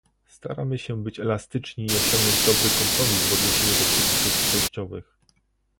Staramy się być elastyczni i osiągnąć dobry kompromis w odniesieniu do przepisów przejściowych